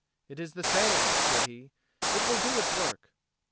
"It is the same," said he. "It will do its work."